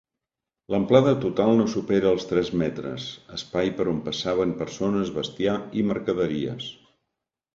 L'amplada total no supera els tres metres, espai per on passaven persones, bestiar i mercaderies.